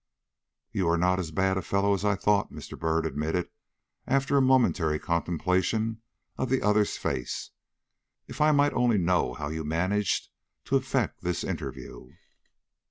"You are not as bad a fellow as I thought," Mr. Byrd admitted, after a momentary contemplation of the other's face. "If I might only know how you managed to effect this interview."